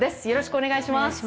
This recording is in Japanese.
よろしくお願いします。